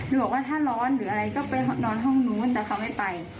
บอกว่าถ้าร้อนหรืออะไรก็ไปนอนห้องนู้นแต่เขาไม่ไป